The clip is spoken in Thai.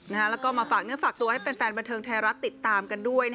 แล้วก็มาฝากเนื้อฝากตัวให้แฟนบันเทิงไทยรัฐติดตามกันด้วย